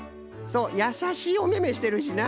そうやさしいおめめしてるしな。